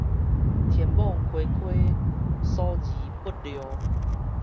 天網恢恢，疏而不漏